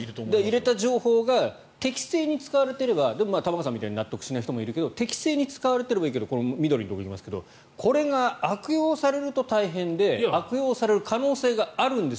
入れた情報が適正に使われていればでも玉川さんみたいに納得しない人もいるけど適正に使われればいいけどこれが悪用されると大変で悪用される可能性があるんです。